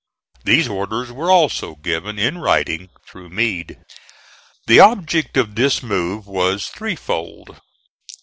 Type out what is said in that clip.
These orders were also given in writing through Meade. The object of this move was three fold.